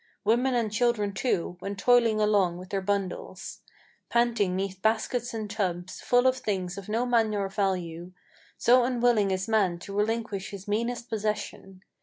Women and children, too, went toiling along with their bundles, "Panting 'neath baskets and tubs, full of things of no manner of value: So unwilling is man to relinquish his meanest possession.